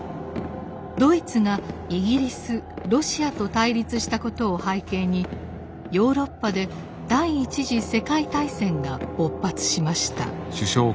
ドイツがイギリスロシアと対立したことを背景にヨーロッパで第一次世界大戦が勃発しました。